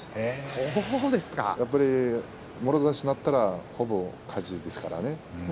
もろ差しになったらほぼ勝ちですからね。